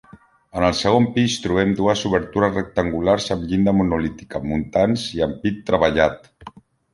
En el segon pis trobem dues obertures rectangulars amb llinda monolítica, muntants i ampit treballat.